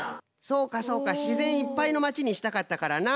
そうかそうか自然いっぱいの町にしたかったからな。